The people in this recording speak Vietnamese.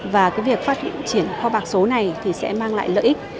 và việc phát triển kho bạc số này sẽ mang lại lợi ích